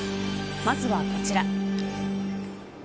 まずはこちら。